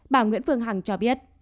bà nguyễn phương hằng cho biết